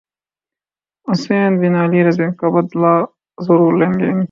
حسین bin Ali رض کا بدلہ ضرور لیں گے انکی